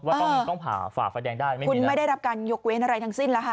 ก็ต้องหาฝ่าไฟแดงได้ไม่มีนะคุณไม่ได้รับการยกเว้นอะไรทั้งสิ้นแล้วค่ะ